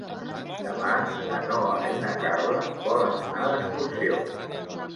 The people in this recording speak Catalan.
Demà na Noa i na Carla volen anar d'excursió.